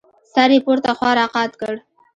سر يې پورته خوا راقات کړ.